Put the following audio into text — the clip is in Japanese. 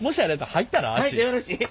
入ってよろしい？